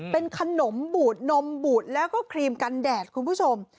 เป็นขนมบูดนมบูดแล้วก็ครีมกันแดดคุณผู้ชม